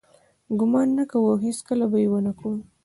ګمان نه کوو او هیڅکله به یې ونه کړو.